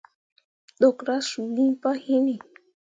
Ɗukra suu iŋ pah hinni.